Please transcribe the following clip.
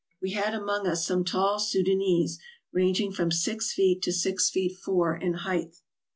We had among us some tall Soudanese, ranging from six feet to six feet four in height.